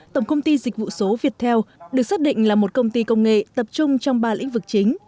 tổng công ty dịch vụ số viettel được xác định là một công ty công nghệ tập trung trong ba lĩnh vực chính